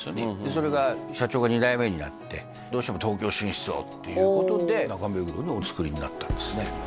それが社長が２代目になってどうしても東京進出をっていうことで中目黒におつくりになったんですね